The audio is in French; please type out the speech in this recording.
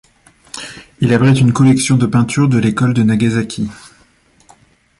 Il abrite une collection de peintures de l'école de Nagasaki.